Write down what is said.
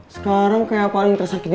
sekarang kayak paling tersakiti